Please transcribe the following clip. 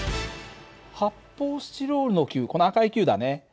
発泡スチロールの球この赤い球だね。